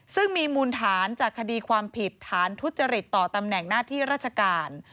ซึ่งมีมูลฐานจากคดีความผิดฐานทุจริตต่อตำแหน่งหน้าที่ราชการ